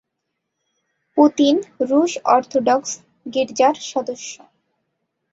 Putin রুশ orthodox গির্জার সদস্য।